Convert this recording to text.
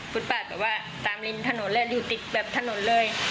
ปาดแบบว่าตามริมถนนเลยอยู่ติดแบบถนนเลย